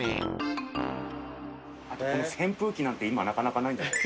あとこの扇風機なんて今なかなかないんじゃない。